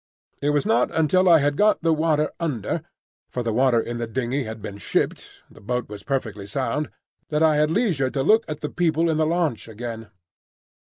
It was not until I had got the water under (for the water in the dingey had been shipped; the boat was perfectly sound) that I had leisure to look at the people in the launch again.